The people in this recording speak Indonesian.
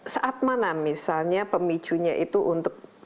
saat mana misalnya pemicunya itu untuk